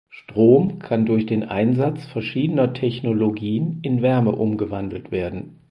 Strom kann durch den Einsatz verschiedener Technologien in Wärme umgewandelt werden.